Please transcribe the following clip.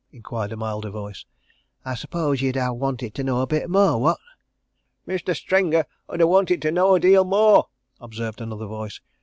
inquired a milder voice. "I suppose ye'd ha' wanted to know a bit more, what?" "Mestur Stringer 'ud ha' wanted to know a deal more," observed another voice.